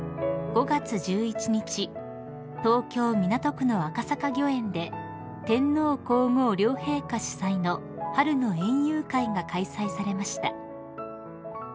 ［５月１１日東京港区の赤坂御苑で天皇皇后両陛下主催の春の園遊会が開催されました］